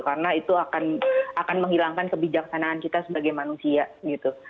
karena itu akan menghilangkan kebijaksanaan kita sebagai manusia gitu